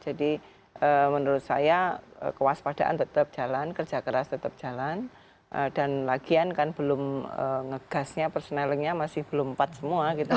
jadi menurut saya kewaspadaan tetap jalan kerja keras tetap jalan dan lagian kan belum ngegasnya persenelnya masih belum empat semua gitu loh